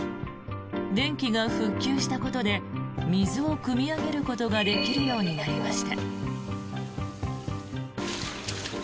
電気が復旧したことで水をくみ上げることができるようになりました。